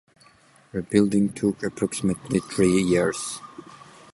Rebuilding took approximately three years.